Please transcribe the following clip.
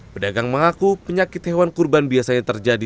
pedagang mengaku penyakit hewan kurban biasanya terjadi